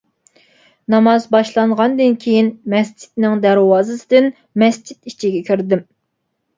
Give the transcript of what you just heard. ناماز باشلانغاندىن كېيىن مەسچىتنىڭ دەرۋازىسىدىن مەسچىت ئىچىگە كىردىم.